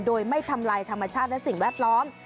โดยไม่ทำลายธรรมชาติและสิ่งแวดล้อม